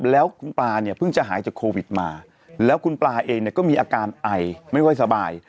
แล้วคุณปลาเนี่ยเพิ่งจะหายจากโควิดมาแล้วคุณปลาเองเนี่ยก็มีอาการไอไม่ค่อยสบาย